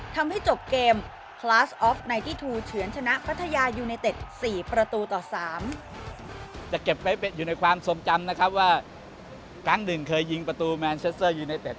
ทำให้จบเกมคลาสออฟ๙๒เฉือนชนะพัทยายูเนเต็ด๔ประตูต่อ๓